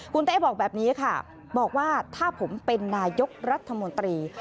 คุณเต้บอกแบบนี้ค่ะบอกว่าถ้าผมเป็นนายกรัฐมนตรี